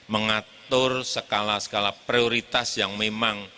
mengatur skala skala prioritas yang memang